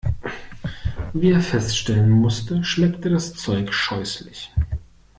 Wie er feststellen musste, schmeckte das Zeug scheußlich.